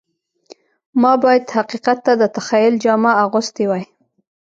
ما باید حقیقت ته د تخیل جامه اغوستې وای